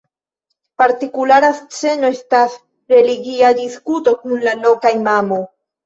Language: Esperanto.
Partikulara sceno estas religia diskuto kun la loka imamo.